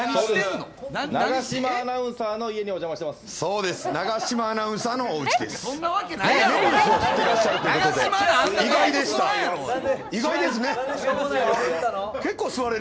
永島アナウンサーの家にお邪魔しております。